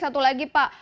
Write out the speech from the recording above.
satu lagi pak